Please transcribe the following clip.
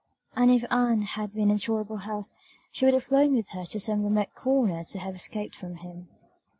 and if Ann had been in tolerable health she would have flown with her to some remote corner to have escaped from him.